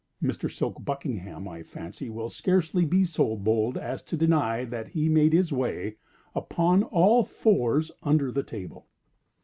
Mr. Silk Buckingham, I fancy, will scarcely be so bold as to deny that he made his way, upon all fours, under the table.